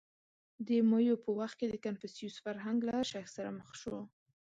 • د مایو په وخت کې د کنفوسیوس فرهنګ له شک سره مخ شو.